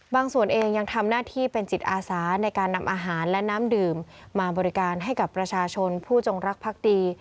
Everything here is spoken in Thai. ส่วนเองยังทำหน้าที่เป็นจิตอาสาในการนำอาหารและน้ำดื่มมาบริการให้กับประชาชนผู้จงรักพักดี